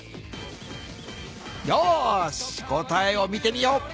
よーし答えを見てみよう。